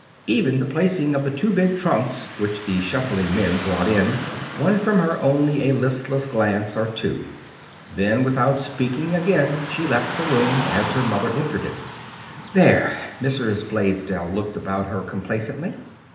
Even the placing of the two big trunks, which the shuffling men brought in, won from her only a listless glance or two. Then, without speaking again, she left the room, as her mother entered it. "There!" Mrs. Blaisdell looked about her complacently.